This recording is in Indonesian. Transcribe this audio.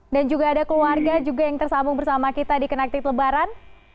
dan juga ada keluarga yang tersambung bersama kita di kenaktif lebaran